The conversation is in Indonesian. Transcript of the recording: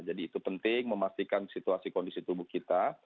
jadi itu penting memastikan situasi kondisi tubuh kita